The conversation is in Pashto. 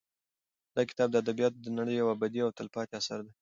دا کتاب د ادبیاتو د نړۍ یو ابدي او تلپاتې اثر دی.